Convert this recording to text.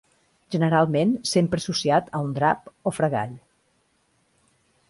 Generalment s'empra associat a un drap o fregall.